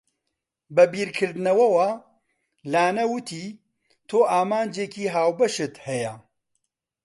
بە بیرکردنەوەوە لانە وتی، تۆ ئامانجێکی هاوبەشت هەیە.